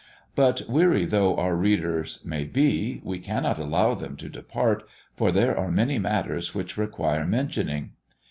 But weary though our readers may be, we cannot allow them to depart, for there are many matters which require mentioning.